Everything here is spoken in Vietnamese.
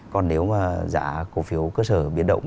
còn nếu mà giả cổ phiếu cơ sở biến động